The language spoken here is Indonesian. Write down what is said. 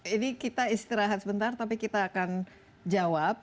ini kita istirahat sebentar tapi kita akan jawab